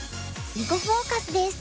「囲碁フォーカス」です。